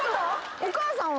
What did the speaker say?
お母さんは？